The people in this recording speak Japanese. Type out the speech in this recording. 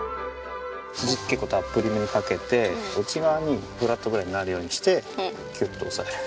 土結構たっぷりめにかけて内側にフラットぐらいになるようにしてキュッと押さえる。